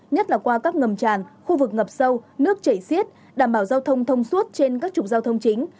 nhất là qua các ngầm tràn khu vực ngập sâu nước chảy xiết đảm bảo giao thông thông suốt trên các trục giao thông chính